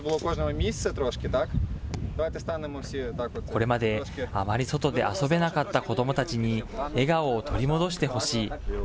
これまであまり外で遊べなかった子どもたちに、笑顔を取り戻してほしい。